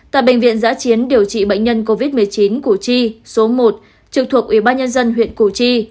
tại bệnh viện giã chiến điều trị bệnh nhân covid một mươi chín củ chi số một trực thuộc ủy ban nhân dân huyện củ chi